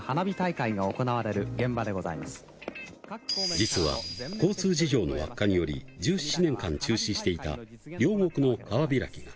実は、交通事情の悪化により１７年間中止していた両国の川開き。